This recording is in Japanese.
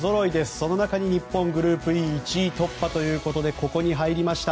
その中に、日本グループＥ１位突破ということでここに入りました。